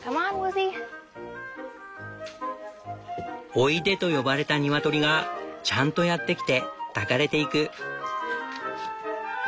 「おいで」と呼ばれたニワトリがちゃんとやって来て抱かれていく。